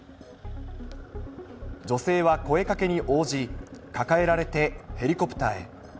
女性は声かけに応じ、抱えられてヘリコプターへ。